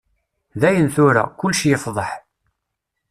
Dayen tura, kullec yefḍeḥ.